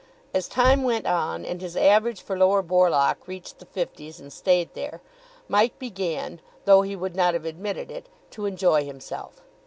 As time went on, and his average for Lower Borlock reached the fifties and stayed there, Mike began, though he would not have admitted it, to enjoy himself.